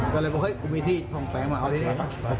ก็เลยพูดว่าคุณมีที่ฟ้องแผลมาเอาที่นี้